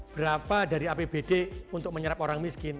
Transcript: berapa dari apbd untuk menyerap orang miskin